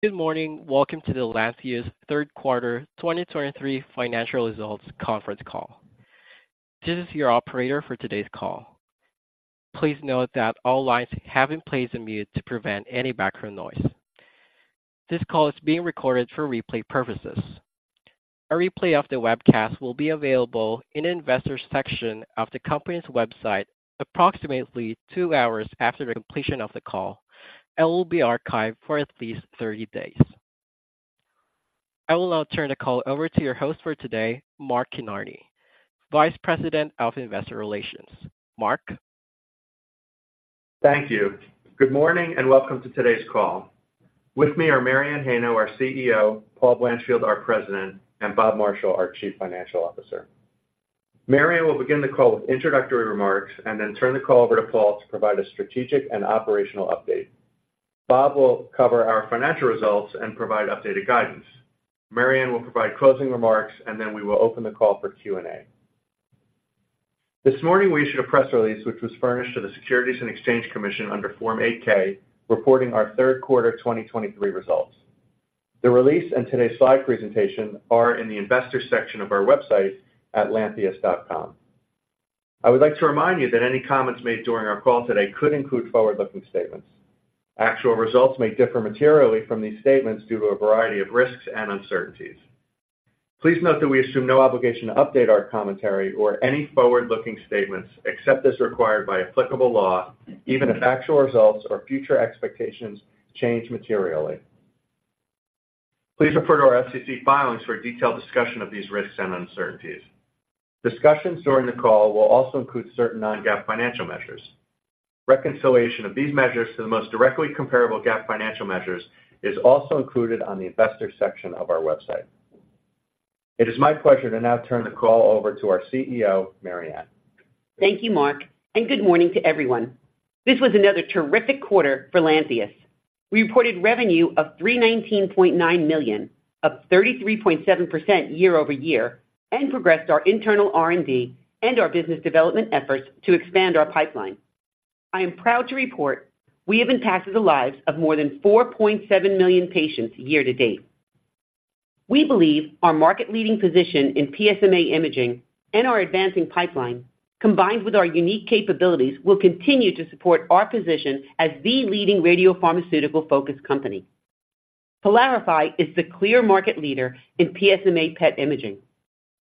Good morning. Welcome to the Lantheus third quarter 2023 financial results conference call. This is your operator for today's call. Please note that all lines have been placed on mute to prevent any background noise. This call is being recorded for replay purposes. A replay of the webcast will be available in the Investors section of the company's website approximately two hours after the completion of the call and will be archived for at least 30 days. I will now turn the call over to your host for today, Mark Kinarney, Vice President of Investor Relations. Mark? Thank you. Good morning, and welcome to today's call. With me are Mary Anne Heino, our CEO, Paul Blanchfield, our President, and Bob Marshall, our Chief Financial Officer. Mary Anne will begin the call with introductory remarks and then turn the call over to Paul to provide a strategic and operational update. Bob will cover our financial results and provide updated guidance. Mary Anne will provide closing remarks, and then we will open the call for Q&A. This morning, we issued a press release, which was furnished to the Securities and Exchange Commission under Form 8-K, reporting our third quarter 2023 results. The release and today's slide presentation are in the Investors section of our website at lantheus.com. I would like to remind you that any comments made during our call today could include forward-looking statements. Actual results may differ materially from these statements due to a variety of risks and uncertainties. Please note that we assume no obligation to update our commentary or any forward-looking statements, except as required by applicable law, even if actual results or future expectations change materially. Please refer to our SEC filings for a detailed discussion of these risks and uncertainties. Discussions during the call will also include certain non-GAAP financial measures. Reconciliation of these measures to the most directly comparable GAAP financial measures is also included on the Investor section of our website. It is my pleasure to now turn the call over to our CEO, Mary Anne. Thank you, Mark, and good morning to everyone. This was another terrific quarter for Lantheus. We reported revenue of $319.9 million, up 33.7% year-over-year, and progressed our internal R&D and our business development efforts to expand our pipeline. I am proud to report we have impacted the lives of more than 4.7 million patients year to date. We believe our market-leading position in PSMA imaging and our advancing pipeline, combined with our unique capabilities, will continue to support our position as the leading radiopharmaceutical-focused company. PYLARIFY is the clear market leader in PSMA PET imaging.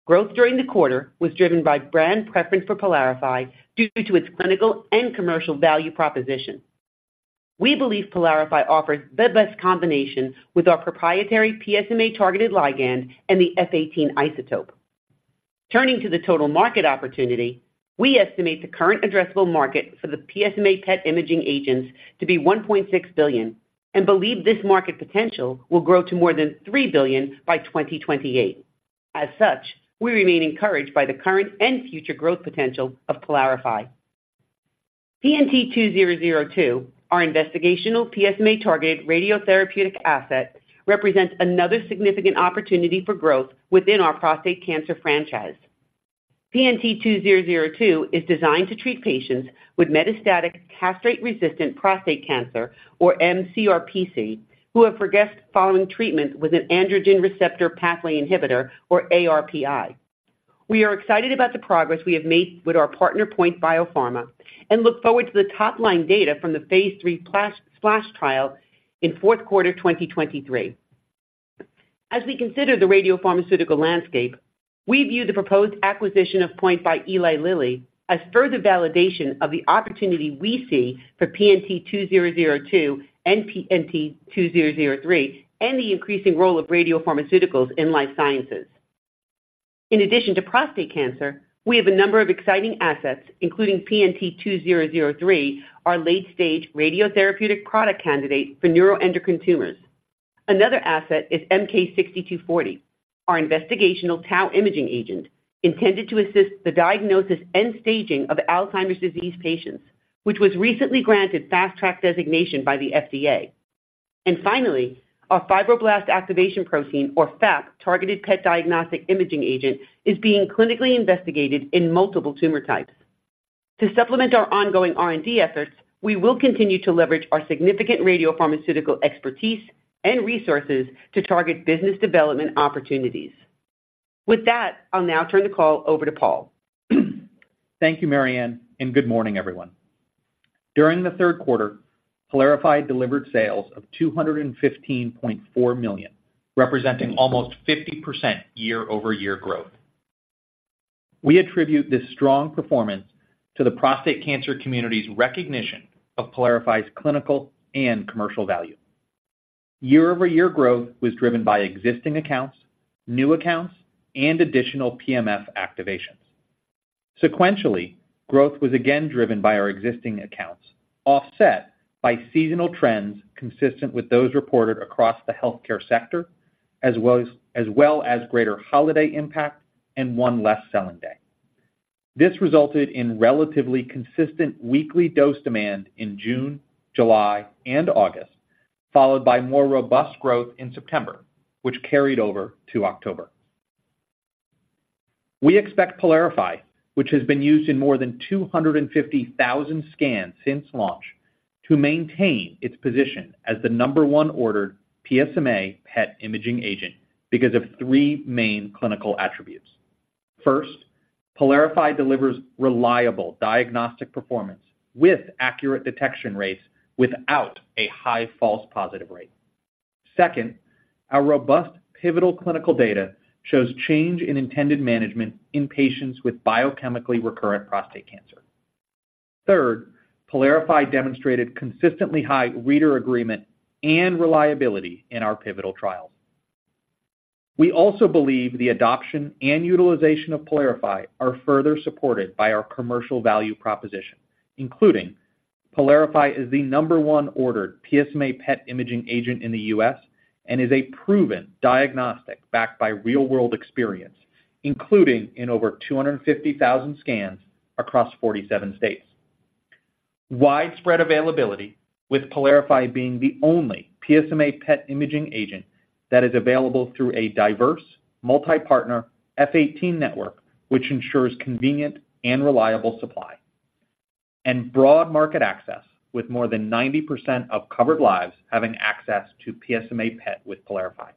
Growth during the quarter was driven by brand preference for PYLARIFY due to its clinical and commercial value proposition. We believe PYLARIFY offers the best combination with our proprietary PSMA-targeted ligand and the F-18 isotope. Turning to the total market opportunity, we estimate the current addressable market for the PSMA PET imaging agents to be $1.6 billion and believe this market potential will grow to more than $3 billion by 2028. As such, we remain encouraged by the current and future growth potential of PYLARIFY. PNT2002, our investigational PSMA-targeted radiotherapeutic asset, represents another significant opportunity for growth within our prostate cancer franchise. PNT2002 is designed to treat patients with metastatic castration-resistant prostate cancer, or mCRPC, who have progressed following treatment with an androgen receptor pathway inhibitor, or ARPI. We are excited about the progress we have made with our partner, POINT Biopharma, and look forward to the top-line data from the phase III SPLASH trial in fourth quarter 2023. As we consider the radiopharmaceutical landscape, we view the proposed acquisition of POINT by Eli Lilly as further validation of the opportunity we see for PNT2002 and PNT2003, and the increasing role of radiopharmaceuticals in life sciences. In addition to prostate cancer, we have a number of exciting assets, including PNT2003, our late-stage radiotherapeutic product candidate for neuroendocrine tumors. Another asset is MK-6240, our investigational tau imaging agent, intended to assist the diagnosis and staging of Alzheimer's disease patients, which was recently granted Fast Track designation by the FDA. And finally, our fibroblast activation protein, or FAP, targeted PET diagnostic imaging agent, is being clinically investigated in multiple tumor types. To supplement our ongoing R&D efforts, we will continue to leverage our significant radiopharmaceutical expertise and resources to target business development opportunities. With that, I'll now turn the call over to Paul. Thank you, Mary Anne, and good morning, everyone. During the third quarter, PYLARIFY delivered sales of $215.4 million, representing almost 50% year-over-year growth. We attribute this strong performance to the prostate cancer community's recognition of PYLARIFY's clinical and commercial value. Year-over-year growth was driven by existing accounts, new accounts, and additional PMF activations. Sequentially, growth was again driven by our existing accounts, offset by seasonal trends consistent with those reported across the healthcare sector as well as greater holiday impact and one less selling day. This resulted in relatively consistent weekly dose demand in June, July, and August, followed by more robust growth in September, which carried over to October. We expect PYLARIFY, which has been used in more than 250,000 scans since launch, to maintain its position as the number one ordered PSMA PET imaging agent because of three main clinical attributes. First, PYLARIFY delivers reliable diagnostic performance with accurate detection rates without a high false positive rate. Second, our robust pivotal clinical data shows change in intended management in patients with biochemically recurrent prostate cancer. Third, PYLARIFY demonstrated consistently high reader agreement and reliability in our pivotal trials. We also believe the adoption and utilization of PYLARIFY are further supported by our commercial value proposition, including PYLARIFY is the number one ordered PSMA PET imaging agent in the U.S. and is a proven diagnostic backed by real-world experience, including in over 250,000 scans across 47 states. Widespread availability, with PYLARIFY being the only PSMA PET imaging agent that is available through a diverse multi-partner F-18 network, which ensures convenient and reliable supply. Broad market access, with more than 90% of covered lives having access to PSMA PET with PYLARIFY.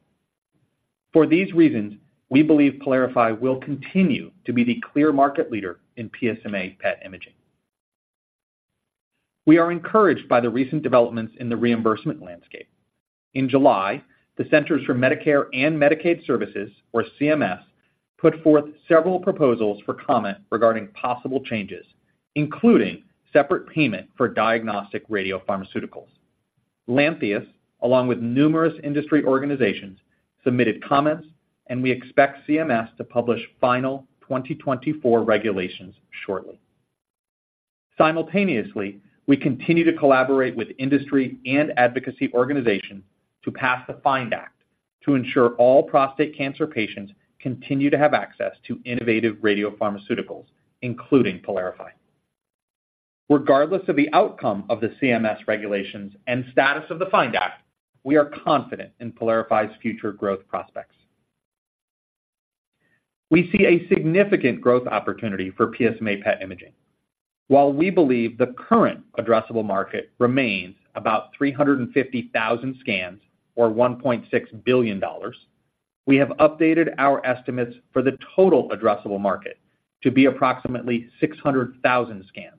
For these reasons, we believe PYLARIFY will continue to be the clear market leader in PSMA PET imaging. We are encouraged by the recent developments in the reimbursement landscape. In July, the Centers for Medicare & Medicaid Services, or CMS, put forth several proposals for comment regarding possible changes, including separate payment for diagnostic radiopharmaceuticals. Lantheus, along with numerous industry organizations, submitted comments, and we expect CMS to publish final 2024 regulations shortly. Simultaneously, we continue to collaborate with industry and advocacy organizations to pass the FIND Act to ensure all prostate cancer patients continue to have access to innovative radiopharmaceuticals, including PYLARIFY. Regardless of the outcome of the CMS regulations and status of the FIND Act, we are confident in PYLARIFY's future growth prospects. We see a significant growth opportunity for PSMA PET imaging. While we believe the current addressable market remains about 350,000 scans, or $1.6 billion, we have updated our estimates for the total addressable market to be approximately 600,000 scans,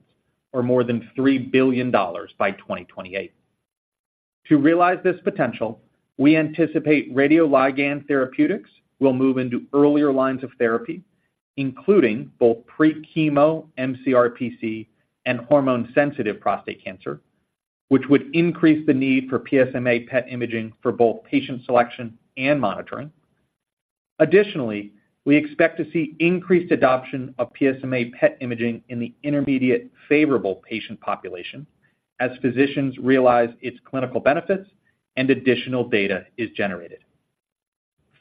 or more than $3 billion by 2028. To realize this potential, we anticipate radioligand therapeutics will move into earlier lines of therapy, including both pre-chemo mCRPC and hormone-sensitive prostate cancer, which would increase the need for PSMA PET imaging for both patient selection and monitoring. Additionally, we expect to see increased adoption of PSMA PET imaging in the intermediate favorable patient population as physicians realize its clinical benefits and additional data is generated.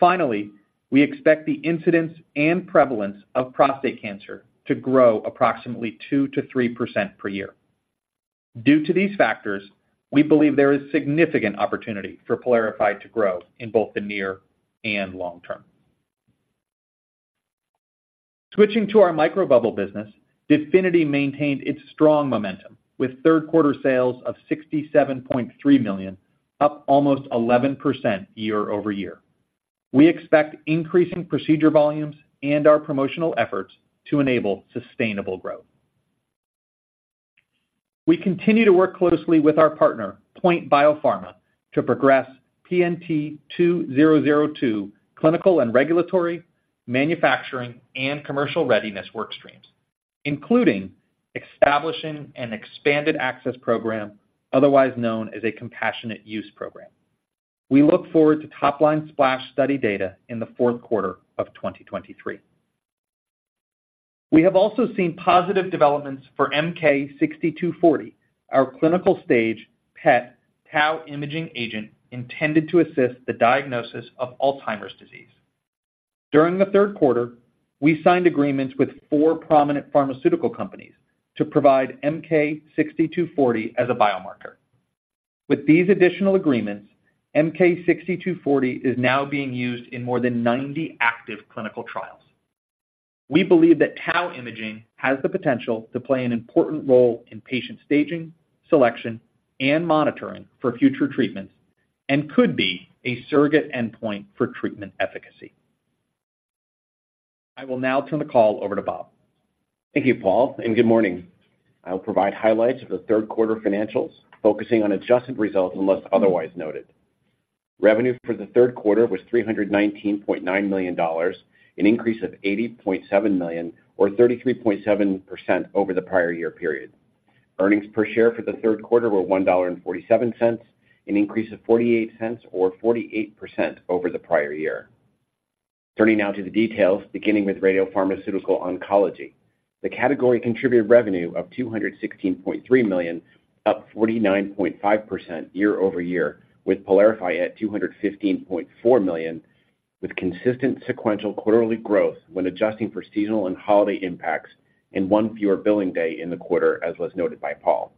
Finally, we expect the incidence and prevalence of prostate cancer to grow approximately 2%-3% per year. Due to these factors, we believe there is significant opportunity for PYLARIFY to grow in both the near and long term. Switching to our microbubble business, DEFINITY maintained its strong momentum with third quarter sales of $67.3 million, up almost 11% year-over-year. We expect increasing procedure volumes and our promotional efforts to enable sustainable growth. We continue to work closely with our partner, POINT Biopharma, to progress PNT2002 clinical and regulatory, manufacturing, and commercial readiness work streams, including establishing an expanded access program, otherwise known as a compassionate use program. We look forward to top-line SPLASH study data in the fourth quarter of 2023. We have also seen positive developments for MK-6240, our clinical stage PET tau imaging agent intended to assist the diagnosis of Alzheimer's disease. During the third quarter, we signed agreements with four prominent pharmaceutical companies to provide MK-6240 as a biomarker. With these additional agreements, MK-6240 is now being used in more than 90 active clinical trials. We believe that tau imaging has the potential to play an important role in patient staging, selection, and monitoring for future treatments and could be a surrogate endpoint for treatment efficacy. I will now turn the call over to Bob. Thank you, Paul, and good morning. I will provide highlights of the third quarter financials, focusing on adjusted results unless otherwise noted. Revenue for the third quarter was $319.9 million, an increase of $80.7 million, or 33.7% over the prior year period. Earnings per share for the third quarter were $1.47, an increase of $0.48 or 48% over the prior year. Turning now to the details, beginning with Radiopharmaceutical Oncology. The category contributed revenue of $216.3 million, up 49.5% year-over-year, with PYLARIFY at $215.4 million, with consistent sequential quarterly growth when adjusting for seasonal and holiday impacts and one fewer billing day in the quarter, as was noted by Paul.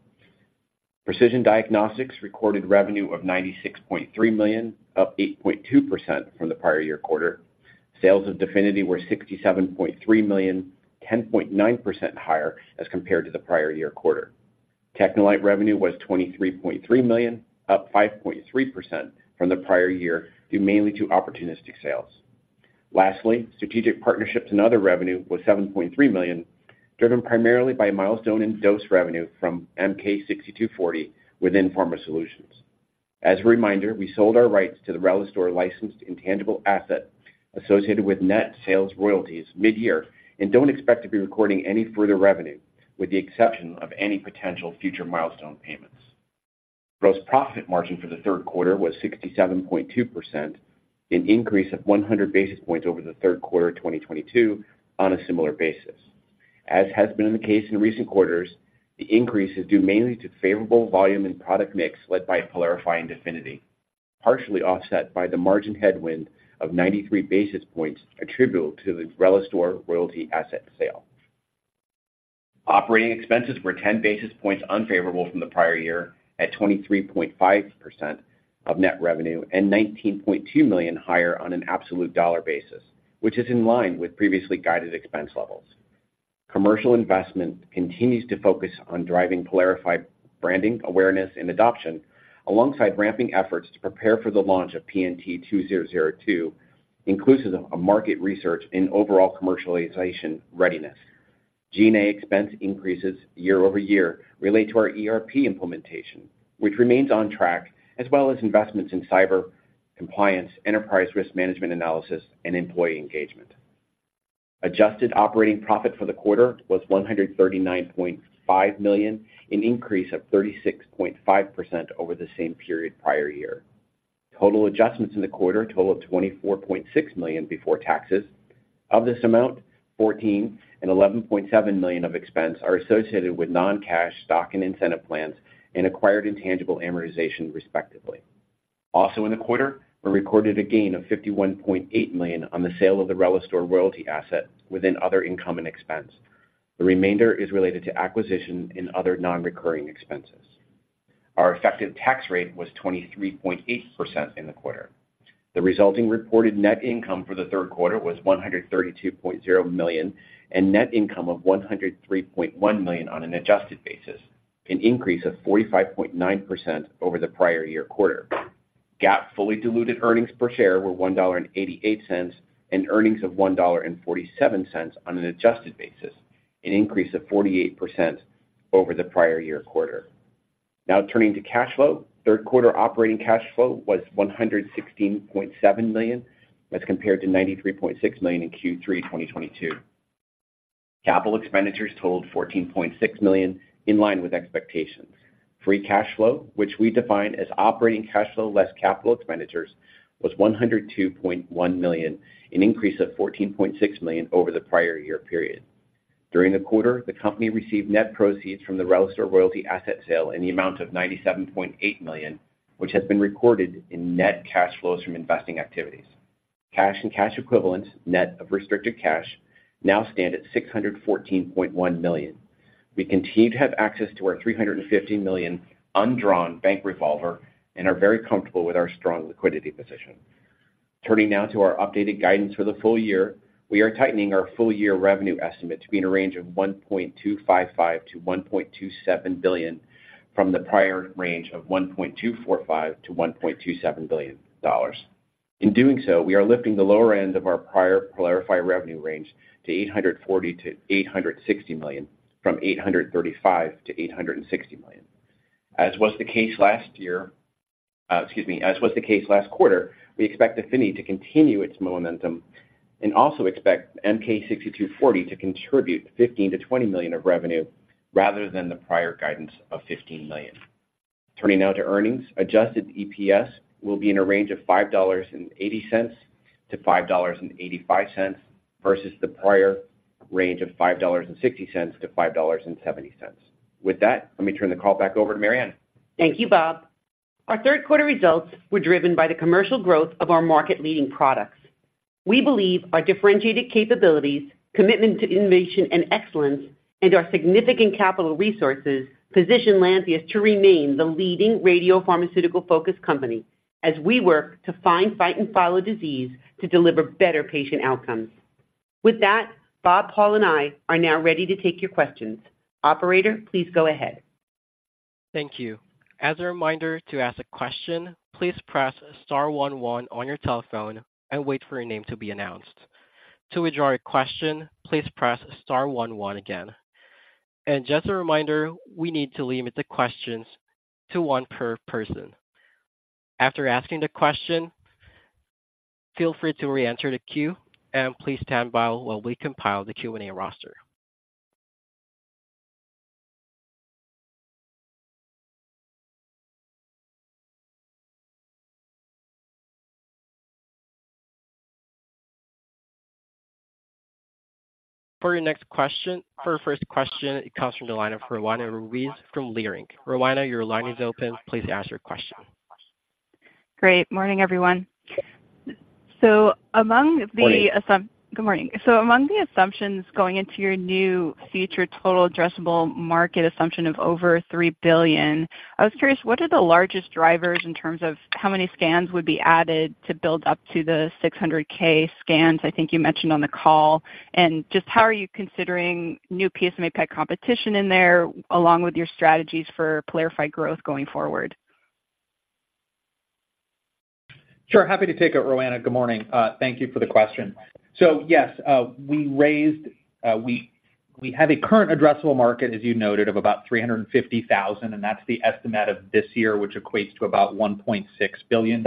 Precision Diagnostics recorded revenue of $96.3 million, up 8.2% from the prior year quarter. Sales of DEFINITY were $67.3 million, 10.9% higher as compared to the prior year quarter. TechneLite revenue was $23.3 million, up 5.3% from the prior year, due mainly to opportunistic sales. Lastly, strategic partnerships and other revenue was $7.3 million, driven primarily by milestone and dose revenue from MK-6240 within Pharma Solutions. As a reminder, we sold our rights to the RELISTOR licensed intangible asset associated with net sales royalties mid-year, and don't expect to be recording any further revenue, with the exception of any potential future milestone payments. Gross profit margin for the third quarter was 67.2%, an increase of 100 basis points over the third quarter of 2022 on a similar basis. As has been the case in recent quarters, the increase is due mainly to favorable volume and product mix, led by PYLARIFY and DEFINITY, partially offset by the margin headwind of 93 basis points attributable to the RELISTOR royalty asset sale. Operating expenses were 10 basis points unfavorable from the prior year at 23.5% of net revenue and $19.2 million higher on an absolute dollar basis, which is in line with previously guided expense levels. Commercial investment continues to focus on driving PYLARIFY branding, awareness, and adoption, alongside ramping efforts to prepare for the launch of PNT2002, inclusive of market research and overall commercialization readiness. G&A expense increases year over year relate to our ERP implementation, which remains on track, as well as investments in cyber, compliance, enterprise risk management analysis, and employee engagement. Adjusted operating profit for the quarter was $139.5 million, an increase of 36.5% over the same period prior year. Total adjustments in the quarter totaled $24.6 million before taxes. Of this amount, $14 million and $11.7 million of expense are associated with non-cash stock and incentive plans and acquired intangible amortization, respectively. Also in the quarter, we recorded a gain of $51.8 million on the sale of the RELISTOR royalty asset within other income and expense. The remainder is related to acquisition and other non-recurring expenses. Our effective tax rate was 23.8% in the quarter. The resulting reported net income for the third quarter was $132.0 million, and net income of $103.1 million on an adjusted basis, an increase of 45.9% over the prior year quarter. GAAP fully diluted earnings per share were $1.88, and earnings of $1.47 on an adjusted basis, an increase of 48% over the prior year quarter. Now turning to cash flow. Third quarter operating cash flow was $116.7 million, as compared to $93.6 million in Q3 2022. Capital expenditures totaled $14.6 million, in line with expectations. Free cash flow, which we define as operating cash flow less capital expenditures, was $102.1 million, an increase of $14.6 million over the prior year period. During the quarter, the company received net proceeds from the RELISTOR royalty asset sale in the amount of $97.8 million, which has been recorded in net cash flows from investing activities. Cash and cash equivalents, net of restricted cash, now stand at $614.1 million. We continue to have access to our $350 million undrawn bank revolver and are very comfortable with our strong liquidity position. Turning now to our updated guidance for the full year, we are tightening our full-year revenue estimate to be in a range of $1.255 billion-$1.27 billion, from the prior range of $1.245 billion-$1.27 billion. In doing so, we are lifting the lower end of our prior PYLARIFY revenue range to $840 million-$860 million, from $835 million-$860 million. As was the case last year, as was the case last quarter, we expect DEFINITY to continue its momentum and also expect MK-6240 to contribute $15 million-$20 million of revenue rather than the prior guidance of $15 million. Turning now to earnings. Adjusted EPS will be in a range of $5.80-$5.85 versus the prior range of $5.60-$5.70. With that, let me turn the call back over to Mary Anne. Thank you, Bob. Our third quarter results were driven by the commercial growth of our market-leading products. We believe our differentiated capabilities, commitment to innovation and excellence, and our significant capital resources position Lantheus to remain the leading radiopharmaceutical-focused company as we work to find, fight, and follow disease to deliver better patient outcomes. With that, Bob, Paul, and I are now ready to take your questions. Operator, please go ahead. Thank you. As a reminder, to ask a question, please press star one, one on your telephone and wait for your name to be announced. To withdraw your question, please press star one, one again. Just a reminder, we need to limit the questions to one per person. After asking the question, feel free to reenter the queue and please stand by while we compile the Q&A roster. For your next question, for your first question, it comes from the line of Roanna Ruiz from Leerink. Roanna, your line is open. Please ask your question. Good morning, everyone. So among the assumptions going into your new future total addressable market assumption of over $3 billion, I was curious, what are the largest drivers in terms of how many scans would be added to build up to the 600,000 scans I think you mentioned on the call? And just how are you considering new PSMA PET competition in there, along with your strategies for PYLARIFY growth going forward? Sure. Happy to take it, Roanna. Good morning. Thank you for the question. So yes, we have a current addressable market, as you noted, of about 350,000, and that's the estimate of this year, which equates to about $1.6 billion.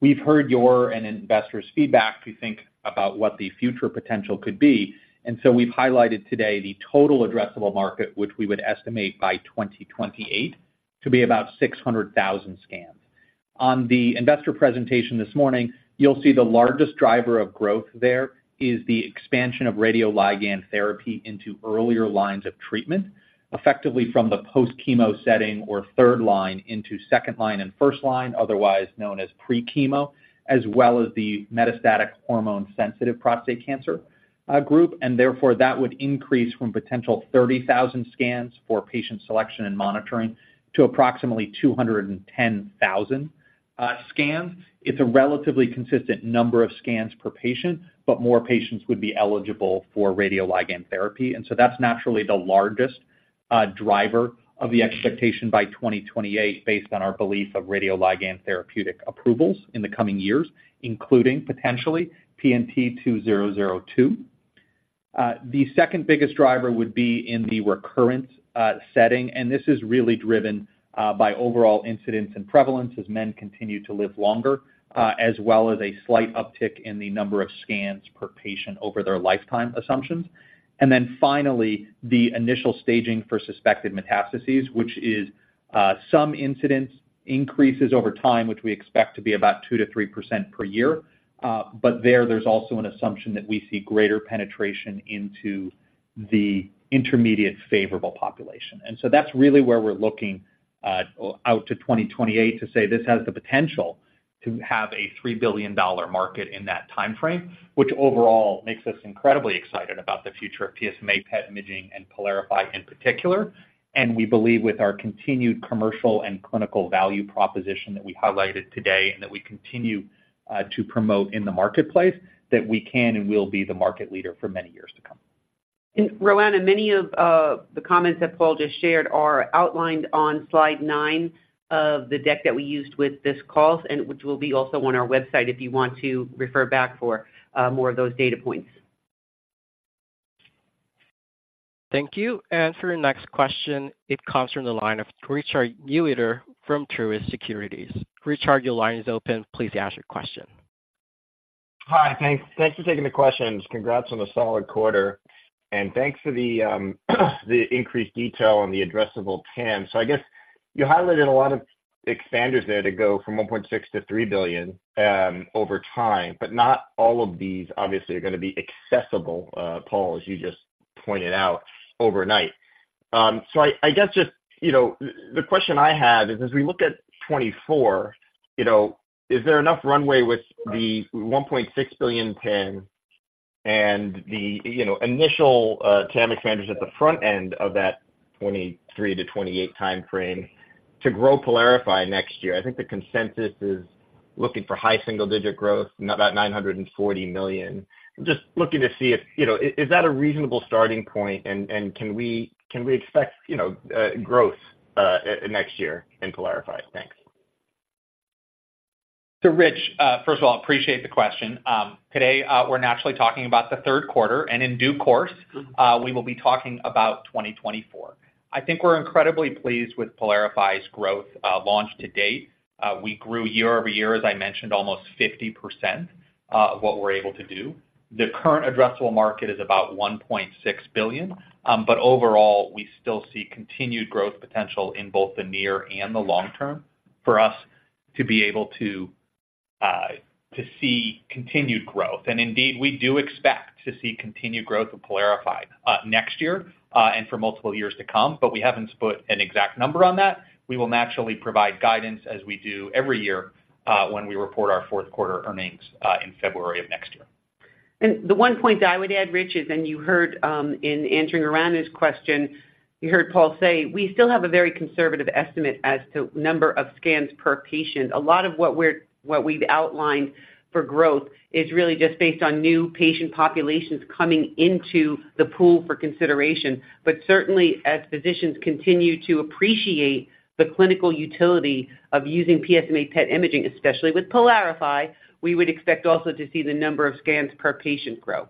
We've heard your and investors' feedback to think about what the future potential could be, and so we've highlighted today the total addressable market, which we would estimate by 2028 to be about 600,000 scans. On the investor presentation this morning, you'll see the largest driver of growth there is the expansion of radioligand therapy into earlier lines of treatment, effectively from the post-chemo setting or third line into second line and first line, otherwise known as pre-chemo, as well as the metastatic hormone-sensitive prostate cancer group. And therefore, that would increase from potential 30,000 scans for patient selection and monitoring to approximately 210,000 scans. It's a relatively consistent number of scans per patient, but more patients would be eligible for radioligand therapy. And so that's naturally the largest driver of the expectation by 2028, based on our belief of radioligand therapeutic approvals in the coming years, including potentially PNT2002. The second biggest driver would be in the recurrent setting, and this is really driven by overall incidence and prevalence as men continue to live longer, as well as a slight uptick in the number of scans per patient over their lifetime assumptions. And then finally, the initial staging for suspected metastases, which is some incidence increases over time, which we expect to be about 2%-3% per year. But there, there's also an assumption that we see greater penetration into the intermediate favorable population. And so that's really where we're looking, out to 2028 to say this has the potential to have a $3 billion market in that time frame, which overall makes us incredibly excited about the future of PSMA PET imaging and PYLARIFY in particular. And we believe with our continued commercial and clinical value proposition that we highlighted today and that we continue, to promote in the marketplace, that we can and will be the market leader for many years to come. And Roanna, many of the comments that Paul just shared are outlined on slide nine of the deck that we used with this call, and which will be also on our website, if you want to refer back for more of those data points. Thank you. And for your next question, it comes from the line of Richard Newitter from Truist Securities. Richard, your line is open. Please ask your question. Hi, thanks. Thanks for taking the questions. Congrats on the solid quarter, and thanks for the increased detail on the addressable TAM. So I guess you highlighted a lot of expanders there to go from $1.6 billion-$3 billion over time, but not all of these obviously are gonna be accessible, Paul, as you just pointed out, overnight. So I guess, you know, the question I have is, as we look at 2024, you know, is there enough runway with the $1.6 billion TAM and the, you know, initial TAM expanders at the front end of that 2023-2028 time frame to grow PYLARIFY next year? I think the consensus is looking for high single-digit growth, about $940 million. Just looking to see if, you know, is that a reasonable starting point, and can we expect, you know, growth next year in PYLARIFY? Thanks. So Rich, first of all, appreciate the question. Today, we're naturally talking about the third quarter, and in due course, we will be talking about 2024. I think we're incredibly pleased with PYLARIFY's growth, launch to date. We grew year-over-year, as I mentioned, almost 50%, of what we're able to do. The current addressable market is about $1.6 billion. But overall, we still see continued growth potential in both the near and the long term for us to be able to, to see continued growth. And indeed, we do expect to see continued growth of PYLARIFY, next year, and for multiple years to come, but we haven't put an exact number on that. We will naturally provide guidance as we do every year, when we report our fourth quarter earnings, in February of next year. The one point that I would add, Rich, is, and you heard in answering Roanna's question, you heard Paul say, "We still have a very conservative estimate as to number of scans per patient." A lot of what we've outlined for growth is really just based on new patient populations coming into the pool for consideration. But certainly, as physicians continue to appreciate the clinical utility of using PSMA PET imaging, especially with PYLARIFY, we would expect also to see the number of scans per patient grow.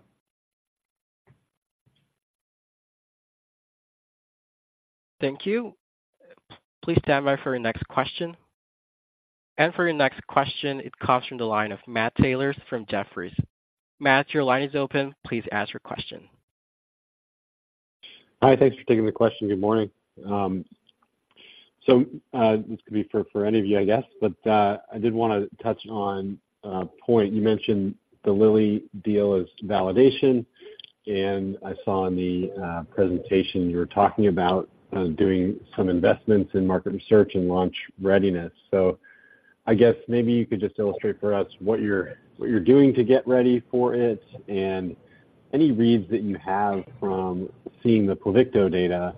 Thank you. Please stand by for your next question. For your next question, it comes from the line of Matt Taylor from Jefferies. Matt, your line is open. Please ask your question. Hi, thanks for taking the question. Good morning. So, this could be for any of you, I guess, but I did wanna touch on a point. You mentioned the Lilly deal as validation and I saw in the presentation you were talking about doing some investments in market research and launch readiness. So I guess maybe you could just illustrate for us what you're doing to get ready for it, and any reads that you have from seeing the Pluvicto data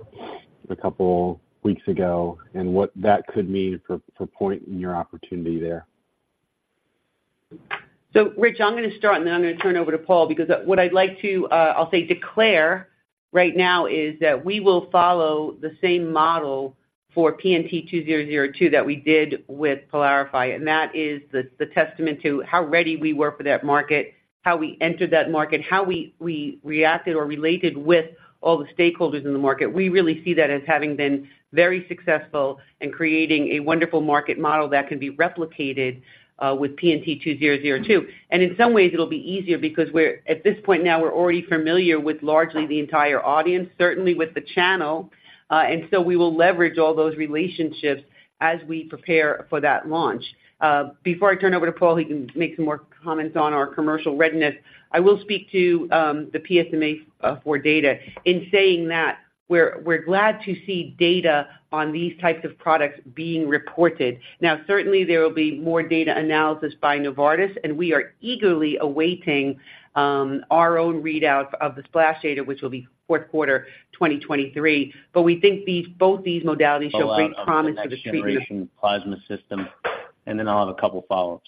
a couple weeks ago, and what that could mean for POINT and your opportunity there. So Rich, I'm gonna start, and then I'm gonna turn it over to Paul, because what I'd like to, I'll say declare right now is that we will follow the same model for PNT2002 that we did with PYLARIFY, and that is the testament to how ready we were for that market, how we entered that market, how we reacted or related with all the stakeholders in the market. We really see that as having been very successful in creating a wonderful market model that can be replicated with PNT2002. And in some ways, it'll be easier because we're at this point now, we're already familiar with largely the entire audience, certainly with the channel, and so we will leverage all those relationships as we prepare for that launch. Before I turn over to Paul, he can make some more comments on our commercial readiness. I will speak to the PSMAfore data. In saying that, we're glad to see data on these types of products being reported. Now, certainly, there will be more data analysis by Novartis, and we are eagerly awaiting our own readouts of the SPLASH data, which will be fourth quarter 2023. But we think both these modalities show great promise for the treatment. Plasma system, and then I'll have a couple follow-ups.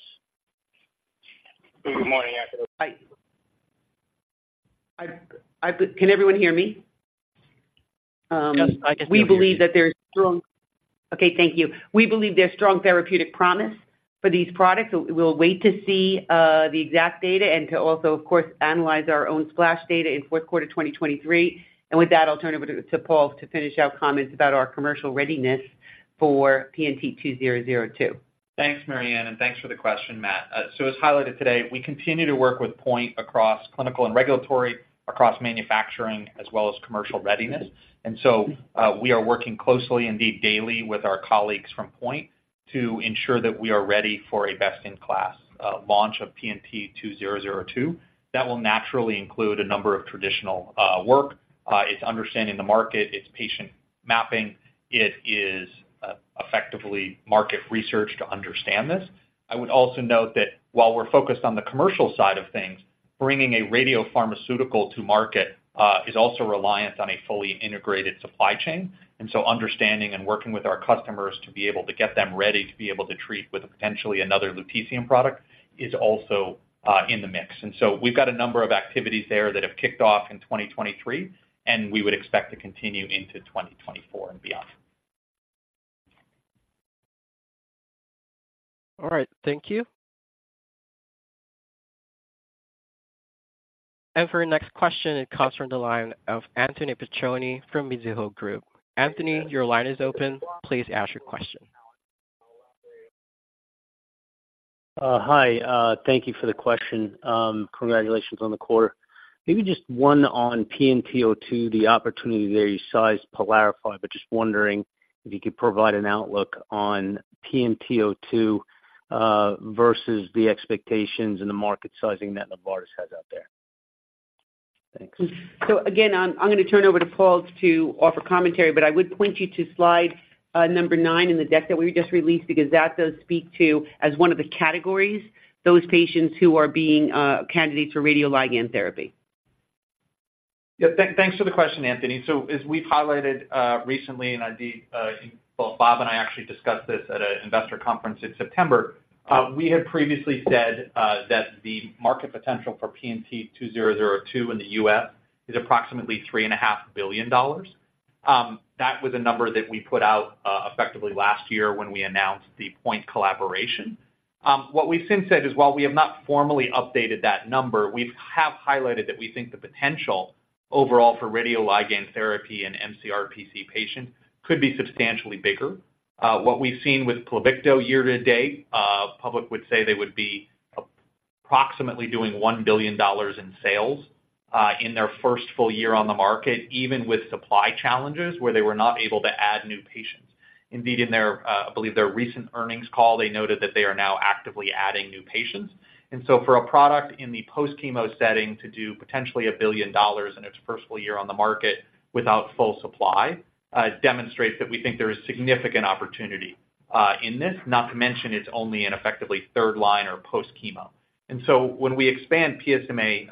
Good morning. Hi. Can everyone hear me? Yes, I can hear you. We believe there's strong therapeutic promise for these products. We'll wait to see the exact data and to also, of course, analyze our own SPLASH data in fourth quarter 2023. With that, I'll turn it over to Paul to finish our comments about our commercial readiness for PNT2002. Thanks, Mary Anne, and thanks for the question, Matt. So as highlighted today, we continue to work with POINT across clinical and regulatory, across manufacturing, as well as commercial readiness. We are working closely, indeed daily, with our colleagues from POINT to ensure that we are ready for a best-in-class launch of PNT2002. That will naturally include a number of traditional work. It's understanding the market, it's patient mapping, it is effectively market research to understand this. I would also note that while we're focused on the commercial side of things, bringing a radiopharmaceutical to market is also reliant on a fully integrated supply chain. Understanding and working with our customers to be able to get them ready to be able to treat with potentially another lutetium product is also in the mix. And so we've got a number of activities there that have kicked off in 2023, and we would expect to continue into 2024 and beyond. All right, thank you. For our next question, it comes from the line of Anthony Petrone from Mizuho Group. Anthony, your line is open. Please ask your question. Hi, thank you for the question. Congratulations on the quarter. Maybe just one on PNT2002, the opportunity there, you sized PYLARIFY, but just wondering if you could provide an outlook on PNT2002, versus the expectations and the market sizing that Novartis has out there. Thanks. So again, I'm gonna turn over to Paul to offer commentary, but I would point you to slide number nine in the deck that we just released, because that does speak to, as one of the categories, those patients who are being candidates for radioligand therapy. Yeah, thanks for the question, Anthony. So as we've highlighted recently, and indeed, well, Bob and I actually discussed this at an investor conference in September, we had previously said that the market potential for PNT2002 in the U.S. is approximately $3.5 billion. That was a number that we put out effectively last year when we announced the POINT collaboration. What we've since said is, while we have not formally updated that number, we've highlighted that we think the potential overall for radioligand therapy in mCRPC patients could be substantially bigger. What we've seen with Pluvicto year to date, public would say they would be approximately doing $1 billion in sales in their first full year on the market, even with supply challenges where they were not able to add new patients. Indeed, in their, I believe their recent earnings call, they noted that they are now actively adding new patients. And so for a product in the post-chemo setting to do potentially $1 billion in its first full year on the market without full supply, demonstrates that we think there is significant opportunity, in this, not to mention it's only in effectively third line or post-chemo. And so when we expand PSMA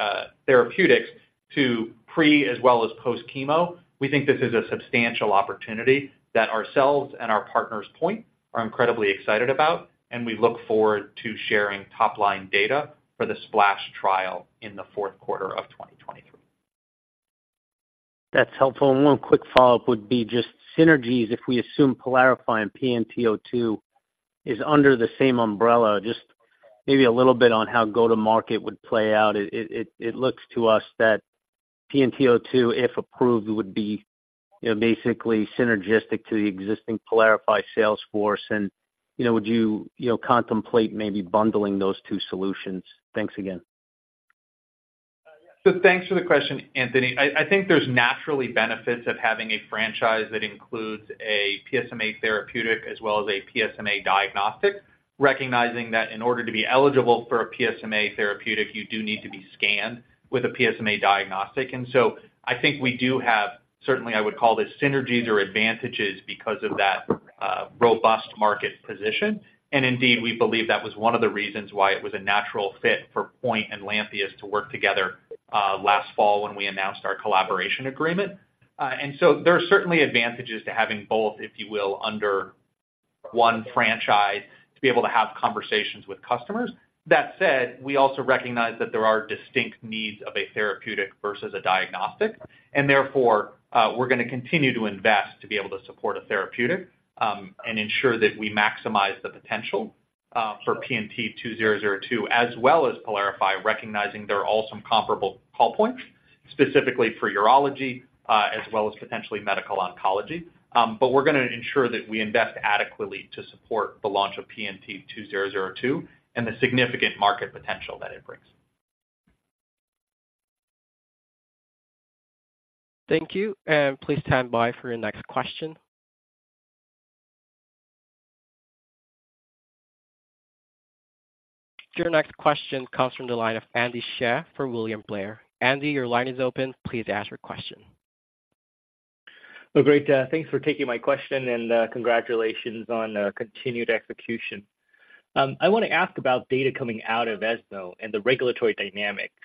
therapeutics to pre as well as post-chemo, we think this is a substantial opportunity that ourselves and our partners, POINT, are incredibly excited about, and we look forward to sharing top-line data for the SPLASH trial in the fourth quarter of 2023. That's helpful. And one quick follow-up would be just synergies, if we assume PYLARIFY and PNT2002 is under the same umbrella, just maybe a little bit on how go-to-market would play out. It looks to us that PNT2002, if approved, would be, you know, basically synergistic to the existing PYLARIFY sales force. And, you know, would you, you know, contemplate maybe bundling those two solutions? Thanks again. So thanks for the question, Anthony. I think there's naturally benefits of having a franchise that includes a PSMA therapeutic as well as a PSMA diagnostic, recognizing that in order to be eligible for a PSMA therapeutic, you do need to be scanned with a PSMA diagnostic. And so I think we do have, certainly, I would call this synergies or advantages because of that, robust market position. And indeed, we believe that was one of the reasons why it was a natural fit for POINT and Lantheus to work together, last fall when we announced our collaboration agreement. And so there are certainly advantages to having both, if you will, under one franchise, to be able to have conversations with customers. That said, we also recognize that there are distinct needs of a therapeutic versus a diagnostic, and therefore, we're gonna continue to invest to be able to support a therapeutic, and ensure that we maximize the potential, for PNT2002, as well as PYLARIFY, recognizing there are also comparable call points, specifically for urology, as well as potentially medical oncology. But we're gonna ensure that we invest adequately to support the launch of PNT2002 and the significant market potential that it brings. Thank you, and please stand by for your next question. Your next question comes from the line of Andy Hsieh for William Blair. Andy, your line is open. Please ask your question. Well, great, thanks for taking my question, and congratulations on continued execution. I wanna ask about data coming out of ESMO and the regulatory dynamics.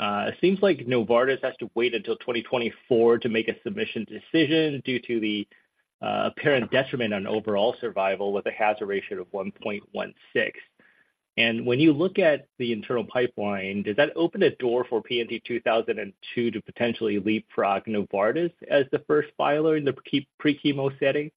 It seems like Novartis has to wait until 2024 to make a submission decision due to the apparent detriment on overall survival with a hazard ratio of 1.16. And when you look at the internal pipeline, does that open a door for PNT2002 to potentially leapfrog Novartis as the first filer in the pre-chemo setting?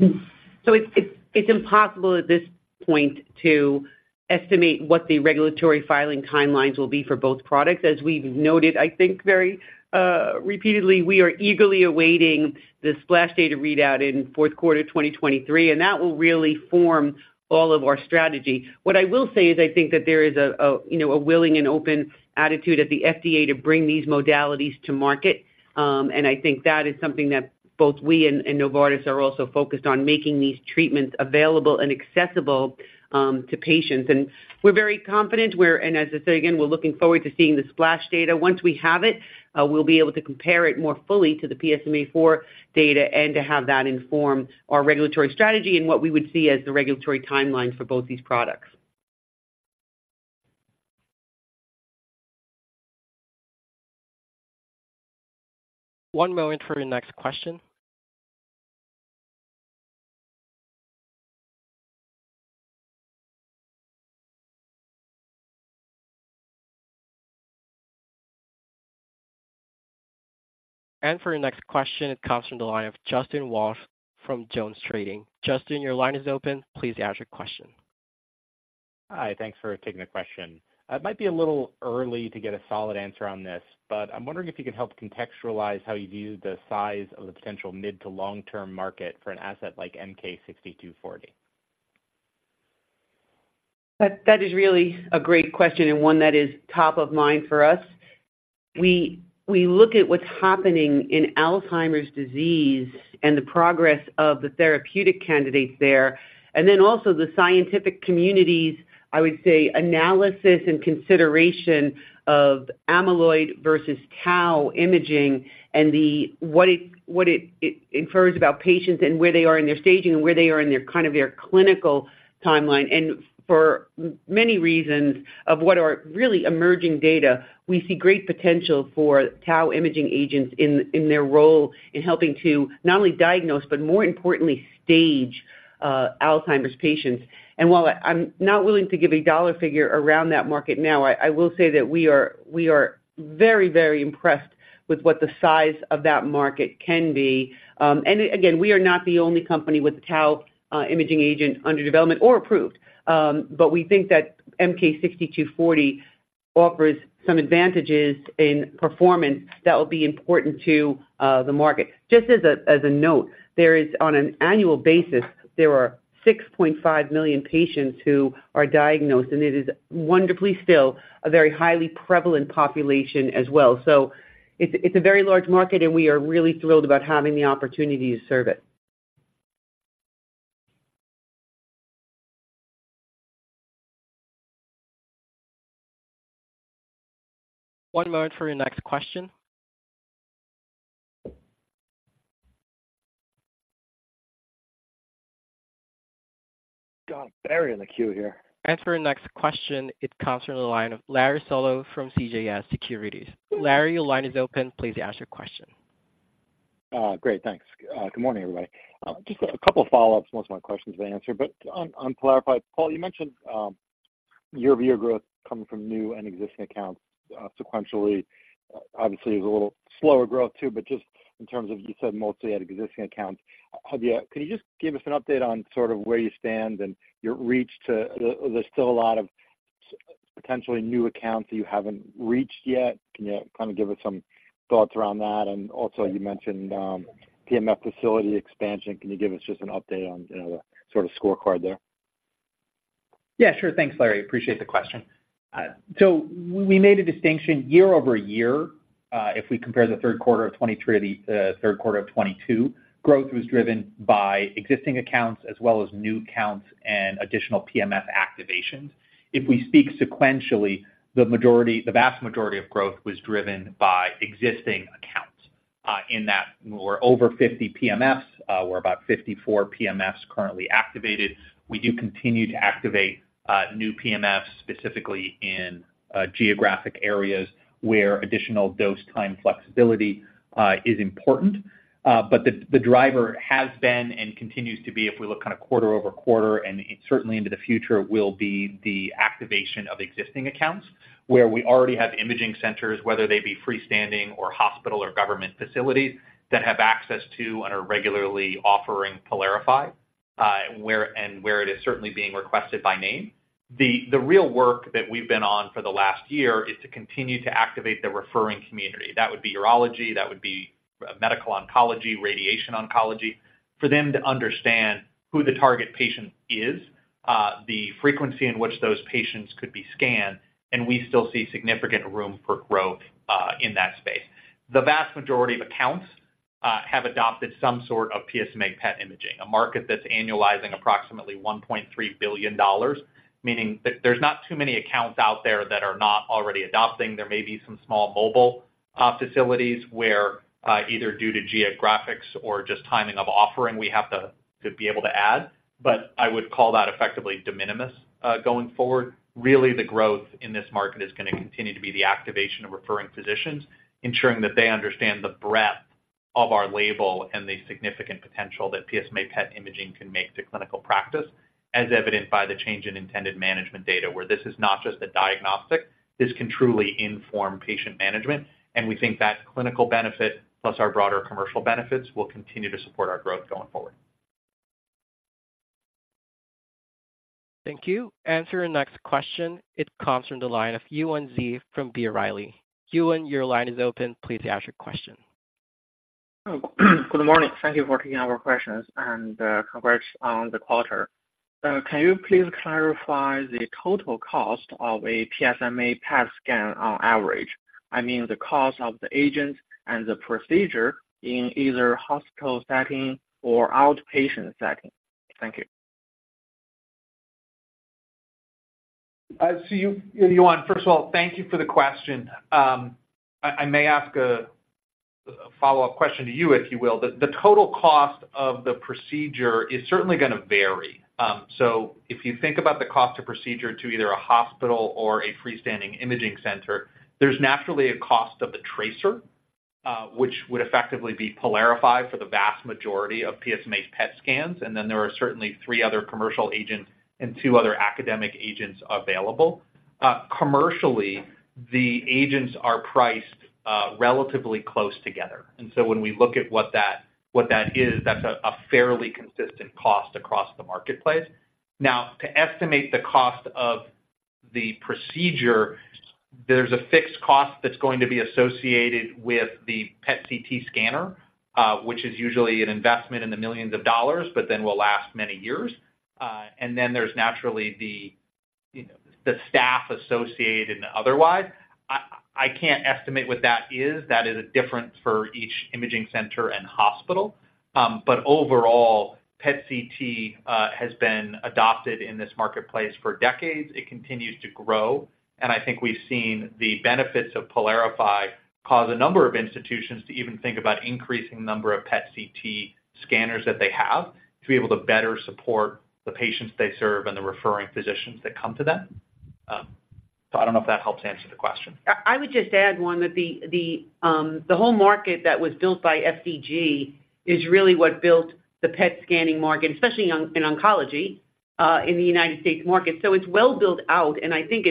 So it's impossible at this point to estimate what the regulatory filing timelines will be for both products. As we've noted, I think, very repeatedly, we are eagerly awaiting the SPLASH data readout in fourth quarter 2023, and that will really form all of our strategy. What I will say is I think that there is a you know a willing and open attitude at the FDA to bring these modalities to market. And I think that is something that both we and Novartis are also focused on making these treatments available and accessible to patients. And we're very confident where. And as I say again, we're looking forward to seeing the SPLASH data. Once we have it, we'll be able to compare it more fully to the PSMA four data and to have that inform our regulatory strategy and what we would see as the regulatory timeline for both these products. One moment for your next question. For your next question, it comes from the line of Justin Walsh from JonesTrading. Justin, your line is open. Please ask your question. Hi, thanks for taking the question. It might be a little early to get a solid answer on this, but I'm wondering if you could help contextualize how you view the size of the potential mid to long-term market for an asset like MK-6240. That, that is really a great question and one that is top of mind for us. We, we look at what's happening in Alzheimer's disease and the progress of the therapeutic candidates there, and then also the scientific community's, I would say, analysis and consideration of amyloid versus tau imaging and what it infers about patients and where they are in their staging and where they are in their kind of their clinical timeline. And for many reasons of what are really emerging data, we see great potential for tau imaging agents in their role in helping to not only diagnose, but more importantly, stage Alzheimer's patients. And while I'm not willing to give a dollar figure around that market now, I, I will say that we are, we are very, very impressed with what the size of that market can be. And again, we are not the only company with tau imaging agent under development or approved. But we think that MK-6240 offers some advantages in performance that will be important to the market. Just as a note, there are on an annual basis 6.5 million patients who are diagnosed, and it is wonderfully still a very highly prevalent population as well. So it's a very large market, and we are really thrilled about having the opportunity to serve it. One moment for your next question. Got Larry in the queue here. For your next question, it comes from the line of Larry Solow from CJS Securities. Larry, your line is open. Please ask your question. Great, thanks. Good morning, everybody. Just a couple follow-ups. Most of my questions were answered, but on, on PYLARIFY, Paul, you mentioned, year-over-year growth coming from new and existing accounts, sequentially. Obviously, it's a little slower growth, too, but just in terms of, you said mostly out of existing accounts. Have you, can you just give us an update on sort of where you stand and your reach to, there's still a lot of potentially new accounts that you haven't reached yet. Can you kind of give us some thoughts around that? And also, you mentioned, PMF facility expansion. Can you give us just an update on, you know, the sort of scorecard there? Yeah, sure. Thanks, Larry. Appreciate the question. So we made a distinction year-over-year, if we compare the third quarter of 2023 to the third quarter of 2022, growth was driven by existing accounts as well as new accounts and additional PMF activations. If we speak sequentially, the majority, the vast majority of growth was driven by existing accounts, in that we're over 50 PMFs, we're about 54 PMFs currently activated. We do continue to activate new PMFs, specifically in geographic areas where additional dose time flexibility is important. But the driver has been and continues to be, if we look kind of quarter-over-quarter and certainly into the future, will be the activation of existing accounts, where we already have imaging centers, whether they be freestanding or hospital or government facilities, that have access to and are regularly offering PYLARIFY, where it is certainly being requested by name. The real work that we've been on for the last year is to continue to activate the referring community. That would be urology, that would be medical oncology, radiation oncology, for them to understand who the target patient is, the frequency in which those patients could be scanned, and we still see significant room for growth in that space. The vast majority of accounts have adopted some sort of PSMA PET imaging, a market that's annualizing approximately $1.3 billion, meaning that there's not too many accounts out there that are not already adopting. There may be some small mobile facilities where either due to geographics or just timing of offering, we have to be able to add, but I would call that effectively de minimis going forward. Really, the growth in this market is gonna continue to be the activation of referring physicians, ensuring that they understand the breadth of our label and the significant potential that PSMA PET imaging can make to clinical practice, as evidenced by the change in intended management data, where this is not just a diagnostic, this can truly inform patient management, and we think that clinical benefit, plus our broader commercial benefits, will continue to support our growth going forward. Thank you. And for your next question, it comes from the line of Yuan Zhi from B. Riley. Yuan, your line is open. Please ask your question. Good morning. Thank you for taking our questions, and, congrats on the quarter. Can you please clarify the total cost of a PSMA PET scan on average? I mean, the cost of the agent and the procedure in either hospital setting or outpatient setting. Thank you. I see you, Yuan. First of all, thank you for the question. I may ask a follow-up question to you, if you will. The total cost of the procedure is certainly gonna vary. So if you think about the cost of procedure to either a hospital or a freestanding imaging center, there's naturally a cost of the tracer, which would effectively be PYLARIFY for the vast majority of PSMA PET scans, and then there are certainly three other commercial agents and two other academic agents available. Commercially, the agents are priced relatively close together. And so when we look at what that is, that's a fairly consistent cost across the marketplace. Now, to estimate the cost of the procedure, there's a fixed cost that's going to be associated with the PET/CT scanner, which is usually an investment in the million of dollars, but then will last many years. And then there's naturally the, you know, the staff associated and otherwise. I, I can't estimate what that is. That is different for each imaging center and hospital, but overall, PET/CT has been adopted in this marketplace for decades. It continues to grow, and I think we've seen the benefits of PYLARIFY cause a number of institutions to even think about increasing the number of PET/CT scanners that they have, to be able to better support the patients they serve and the referring physicians that come to them. So I don't know if that helps answer the question. I would just add one, that the whole market that was built by FDG is really what built the PET scanning market, especially in oncology, in the United States market. So it's well built out, and I think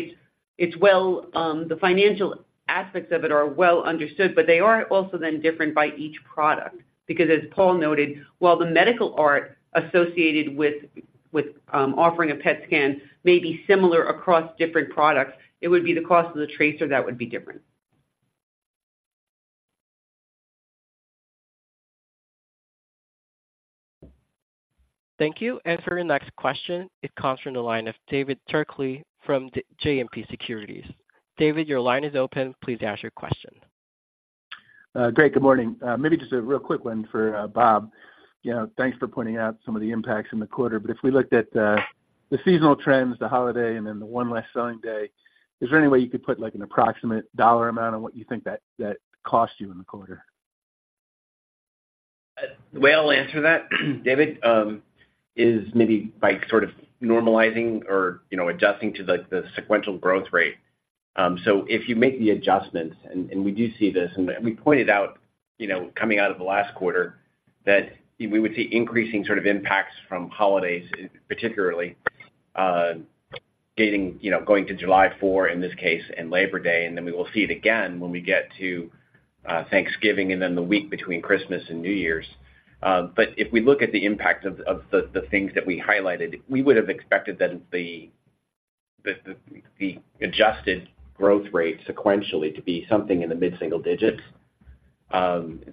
it's well, the financial aspects of it are well understood, but they are also then different by each product. Because as Paul noted, while the medical art associated with offering a PET scan may be similar across different products, it would be the cost of the tracer that would be different. Thank you. And for your next question, it comes from the line of David Turkaly from JMP Securities. David, your line is open. Please ask your question. Great, good morning. Maybe just a real quick one for Bob. You know, thanks for pointing out some of the impacts in the quarter, but if we looked at the seasonal trends, the holiday, and then the one less selling day, is there any way you could put, like, an approximate dollar amount on what you think that cost you in the quarter? The way I'll answer that, David, is maybe by sort of normalizing or, you know, adjusting to the sequential growth rate. So if you make the adjustments, and we do see this, and we pointed out, you know, coming out of the last quarter, that we would see increasing sort of impacts from holidays, particularly getting, you know, going to July 4th, in this case, and Labor Day, and then we will see it again when we get to Thanksgiving and then the week between Christmas and New Year's. But if we look at the impact of the things that we highlighted, we would have expected that the adjusted growth rate sequentially to be something in the mid-single digits,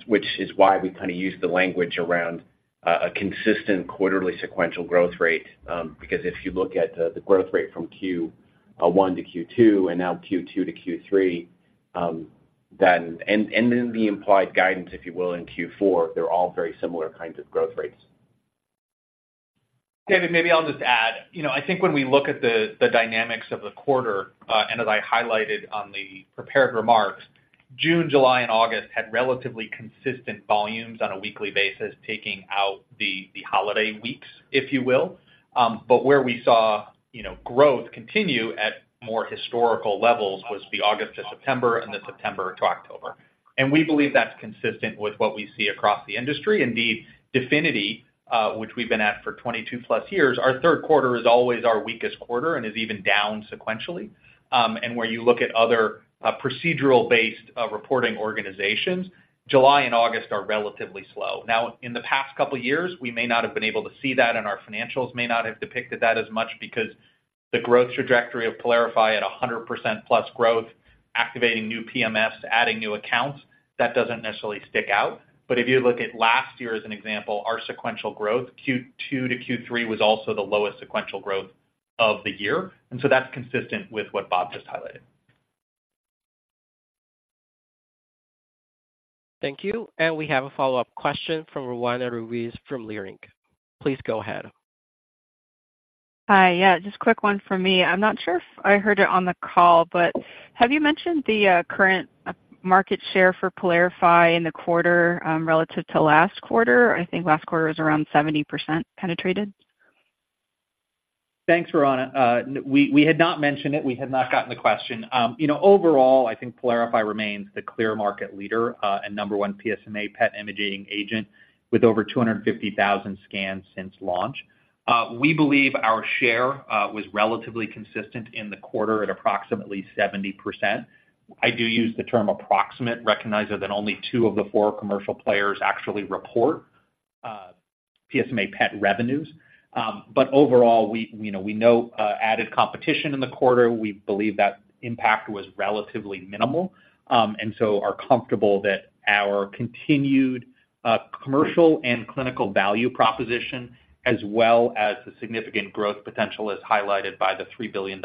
which is why we kind of use the language around a consistent quarterly sequential growth rate. Because if you look at the growth rate from Q1 to Q2, and now Q2 to Q3, then the implied guidance, if you will, in Q4, they're all very similar kinds of growth rates. David, maybe I'll just add, you know, I think when we look at the dynamics of the quarter, and as I highlighted on the prepared remarks, June, July, and August had relatively consistent volumes on a weekly basis, taking out the holiday weeks, if you will. But where we saw, you know, growth continue at more historical levels was the August to September and the September to October. And we believe that's consistent with what we see across the industry. Indeed, DEFINITY, which we've been at for 22+ years, our third quarter is always our weakest quarter and is even down sequentially. And where you look at other procedural-based reporting organizations, July and August are relatively slow. Now, in the past couple of years, we may not have been able to see that, and our financials may not have depicted that as much because the growth trajectory of PYLARIFY at 100%+ growth, activating new PSMA, adding new accounts, that doesn't necessarily stick out. But if you look at last year as an example, our sequential growth, Q2 to Q3, was also the lowest sequential growth of the year, and so that's consistent with what Bob just highlighted. Thank you. We have a follow-up question from Roanna Ruiz from Leerink. Please go ahead. Hi, yeah, just a quick one for me. I'm not sure if I heard it on the call, but have you mentioned the current market share for PYLARIFY in the quarter, relative to last quarter? I think last quarter was around 70% penetrated. Thanks, Roanna. We had not mentioned it. We had not gotten the question. You know, overall, I think PYLARIFY remains the clear market leader and number one PSMA PET imaging agent with over 250,000 scans since launch. We believe our share was relatively consistent in the quarter at approximately 70%. I do use the term approximate, recognizing that only two of the four commercial players actually report PSMA PET revenues. But overall, we you know we know added competition in the quarter. We believe that impact was relatively minimal, and so are comfortable that our continued commercial and clinical value proposition, as well as the significant growth potential, as highlighted by the $3+ billion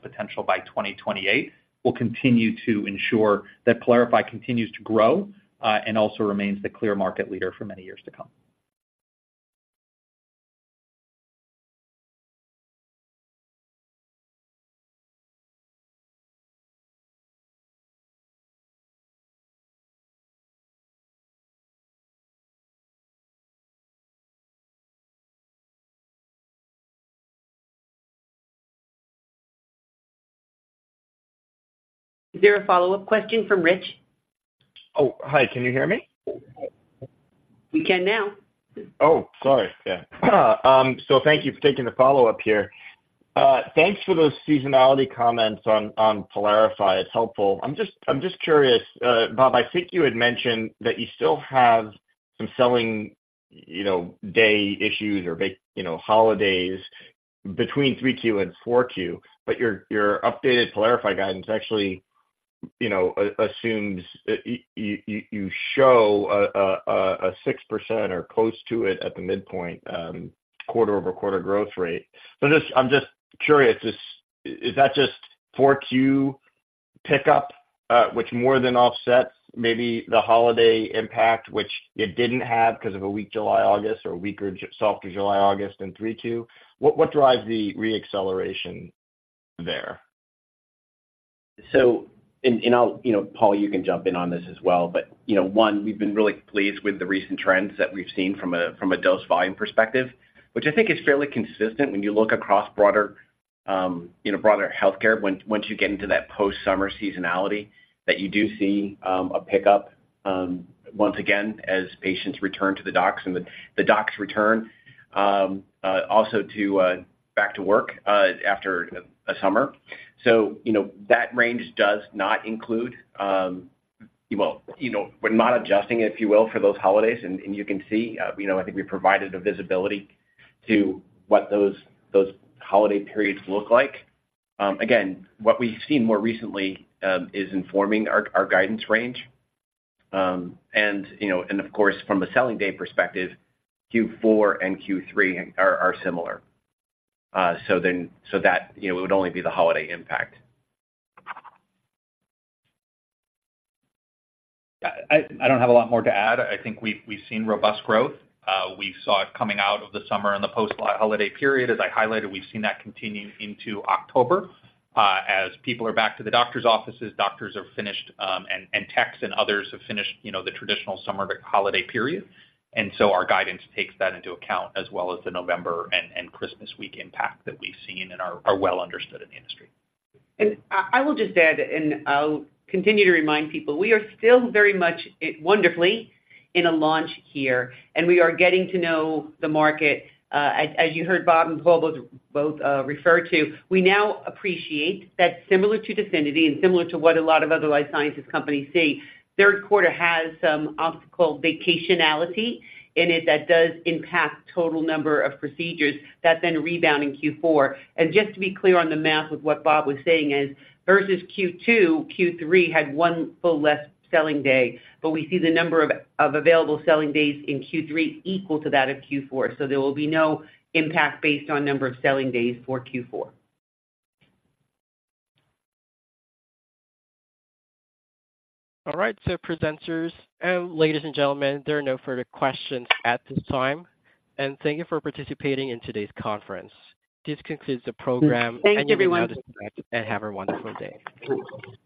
potential by 2028, will continue to ensure that PYLARIFY continues to grow, and also remains the clear market leader for many years to come. Is there a follow-up question from Rich? Oh, hi, can you hear me? We can now. Oh, sorry. Yeah. So thank you for taking the follow-up here. Thanks for those seasonality comments on PYLARIFY. It's helpful. I'm just, I'm just curious, Bob, I think you had mentioned that you still have some selling, you know, day issues or big, you know, holidays between 3Q and 4Q, but your updated PYLARIFY guidance actually, you know, assumes you show a 6% or close to it at the midpoint, quarter-over-quarter growth rate. So just, I'm just curious, is that just 4Q pickup, which more than offsets maybe the holiday impact, which it didn't have because of a weak July, August, or weaker, softer July, August in 3Q? What drives the re-acceleration there? I'll, you know, Paul, you can jump in on this as well. But, you know, one, we've been really pleased with the recent trends that we've seen from a dose volume perspective, which I think is fairly consistent when you look across broader, you know, broader healthcare. Once you get into that post-summer seasonality, that you do see a pickup once again, as patients return to the docs and the docs return also to back to work after a summer. So, you know, that range does not include, well, you know, we're not adjusting, if you will, for those holidays. And you can see, you know, I think we provided a visibility to what those holiday periods look like. Again, what we've seen more recently is informing our guidance range. And, you know, and of course, from a selling day perspective, Q4 and Q3 are similar. So then, so that, you know, it would only be the holiday impact. I don't have a lot more to add. I think we've seen robust growth. We saw it coming out of the summer and the post-holiday period. As I highlighted, we've seen that continue into October. As people are back to the doctor's offices, doctors have finished, and techs and others have finished, you know, the traditional summer holiday period. And so our guidance takes that into account, as well as the November and Christmas week impact that we've seen and are well understood in the industry. I will just add, and I'll continue to remind people, we are still very much, wonderfully, in a launch here, and we are getting to know the market. As you heard Bob and Paul both refer to, we now appreciate that similar to DEFINITY and similar to what a lot of other life sciences companies see, third quarter has some optical vacationality in it that does impact total number of procedures that then rebound in Q4. Just to be clear on the math with what Bob was saying is, versus Q2, Q3 had one full less selling day, but we see the number of available selling days in Q3 equal to that of Q4. There will be no impact based on number of selling days for Q4. All right, so presenters, and ladies and gentlemen, there are no further questions at this time, and thank you for participating in today's conference. This concludes the program. Thanks, everyone. Have a wonderful day. Thanks.